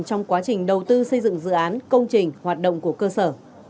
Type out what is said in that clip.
trong quá trình đầu tư xây dựng dự án công trình hoạt động của cơ sở